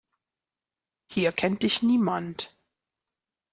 Hier kennt dich niemand.